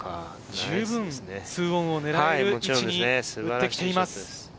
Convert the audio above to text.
十分、２オンを狙える位置に持ってきています。